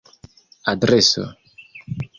adreso